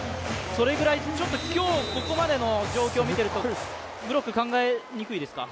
それぐらい、今日ここまでの状況を見ているとブロック考えにくいですか。